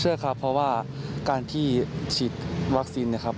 เชื่อครับเพราะว่าการที่ฉีดวัคซีนนะครับ